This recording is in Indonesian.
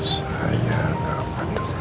saya nggak peduli